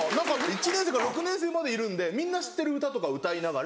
１年生から６年生までいるんでみんな知ってる歌とか歌いながら。